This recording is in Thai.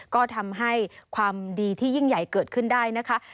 ก็ทำให้ความดีที่ยิ่งใหญ่เกิดขึ้นได้นะคะ